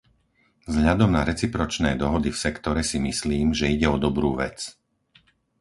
Vzhľadom na recipročné dohody v sektore si myslím, že ide o dobrú vec.